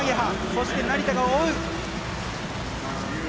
そして成田が追う。